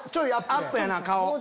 アップやな顔。